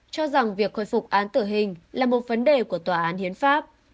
cho rằng việc khôi phục án tử hình là một vấn đề của tòa án hiến pháp